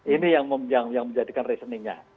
ini yang menjadikan reasoningnya